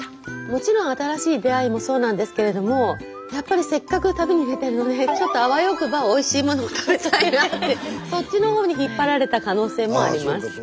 もちろん新しい出会いもそうなんですけれどもやっぱりせっかく旅に出てるのであわよくばおいしいものを食べたいなってそっちの方に引っ張られた可能性もあります。